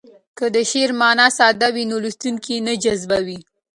که د شعر مانا ساده وي نو لوستونکی نه جذبوي.